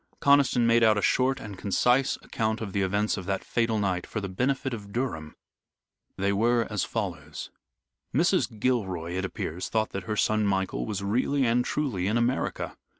Conniston made out a short and concise account of the events of that fatal night, for the benefit of Durham. They were as follows: Mrs. Gilroy, it appears, thought that her son, Michael, was really and truly in America.